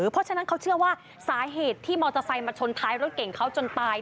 เพราะฉะนั้นเขาเชื่อว่าสาเหตุที่มอเตอร์ไซค์มาชนท้ายรถเก่งเขาจนตาย